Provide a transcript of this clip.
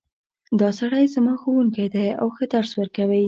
دا سړی زما ښوونکی ده او ښه درس ورکوی